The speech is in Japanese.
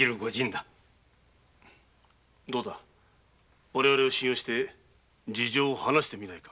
どうだ我々を信用して事情を話してみないか？